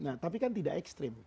nah tapi kan tidak ekstrim